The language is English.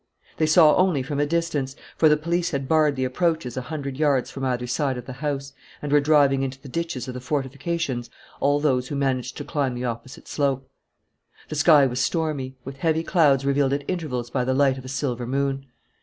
They saw only from a distance, for the police had barred the approaches a hundred yards from either side of the house and were driving into the ditches of the fortifications all those who managed to climb the opposite slope. The sky was stormy, with heavy clouds revealed at intervals by the light of a silver moon.